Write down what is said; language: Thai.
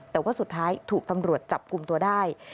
แต่ว่าสุดท้ายถูกตำรวจจับกลุ่มตัวได้